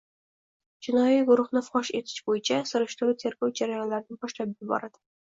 jinoiy guruhni fosh etish bo‘yicha surishtiruv-tergov jarayonlarini boshlab yuboradi.